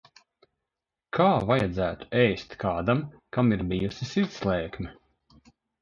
Kā vajadzētu ēst kādam, kam ir bijusi sirdslēkme?